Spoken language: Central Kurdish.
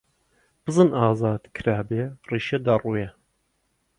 بزن ئازاد کرابێ، ڕیشە دەڕوێ!